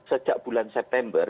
sejak bulan september